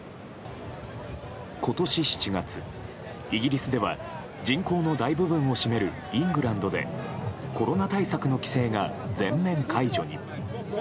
今年７月、イギリスでは人口の大部分を占めるイングランドでコロナ対策の規制が全面解除に。